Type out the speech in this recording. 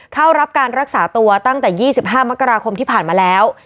เข้ารับการรักษาตัวตั้งแต่๒๕มกราคมที่ผ่านมาแล้ว